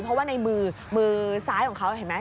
เพราะว่าในมือมือซ้ายของเขาเห็นไหม